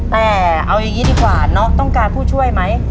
แต่เอาอย่างนี้ดีกว่าเนาะต้องการผู้ช่วยไหม